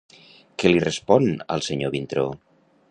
Què li respon el senyor Vintró?